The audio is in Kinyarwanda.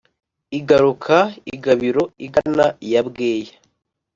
igaruka i gabiro igana iya bweya.